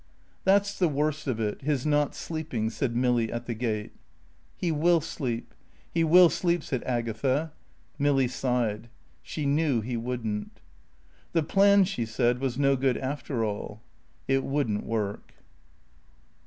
"That's the worst of it his not sleeping," said Milly at the gate. "He will sleep. He will sleep," said Agatha. Milly sighed. She knew he wouldn't. The plan, she said, was no good after all. It wouldn't work.